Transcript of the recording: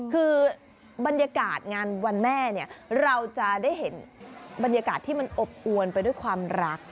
คือบรรยากาศงานวันแม่เนี่ยเราจะได้เห็นบรรยากาศที่มันอบอวนไปด้วยความรัก